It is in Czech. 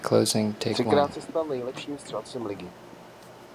Třikrát se stal nejlepším střelcem ligy.